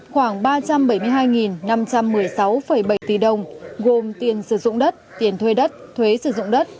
khoảng ba trăm bảy mươi hai năm trăm một mươi sáu bảy tỷ đồng gồm tiền sử dụng đất tiền thuê đất thuế sử dụng đất